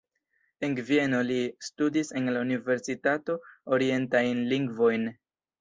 En Vieno li studis en la universitato orientajn lingvojn.